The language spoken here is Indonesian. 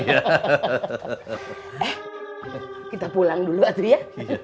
eh kita pulang dulu azri ya